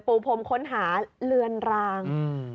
พรมค้นหาเลือนราง